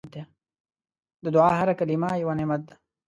د دعا هره کلمه یو نعمت ده.